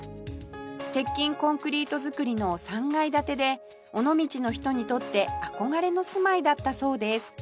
鉄筋コンクリート造りの３階建てで尾道の人にとって憧れの住まいだったそうです